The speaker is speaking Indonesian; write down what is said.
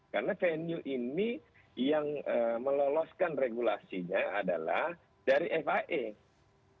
karena venue ini yang meloloskan regulasinya adalah dari fio